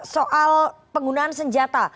soal penggunaan senjata